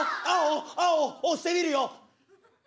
青押してみるよ。